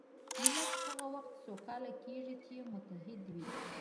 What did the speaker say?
ملت هغه وخت سوکاله کېږي چې متحد وي.